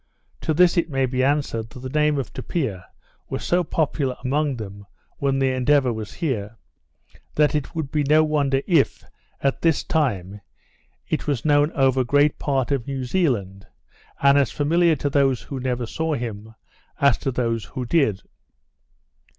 To this it may be answered, that the name of Tupia was so popular among them when the Endeavour was here, that it would be no wonder if, at this time, it was known over great part of New Zealand, and as familiar to those who never saw him, as to those who did.